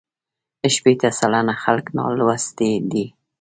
شپېته سلنه خلک لا نالوستي دي.